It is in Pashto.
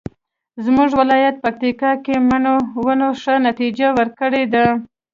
زمونږ ولایت پکتیکا کې مڼو ونو ښه نتیجه ورکړې ده